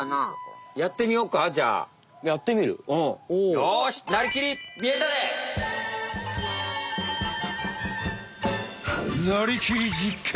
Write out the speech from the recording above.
よし「なりきり！実験！」。